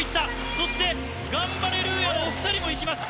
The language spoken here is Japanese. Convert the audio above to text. そしてガンバレルーヤのお２人も行きます。